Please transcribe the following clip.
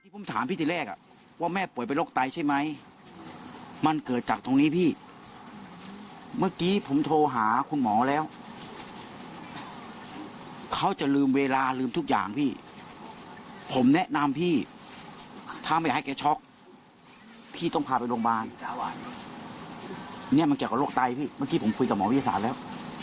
คุยกับหมอวิทยาศาสตร์แล้ว